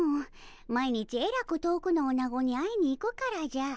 毎日えらく遠くのおなごに会いに行くからじゃ。